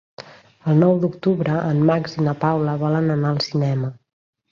El nou d'octubre en Max i na Paula volen anar al cinema.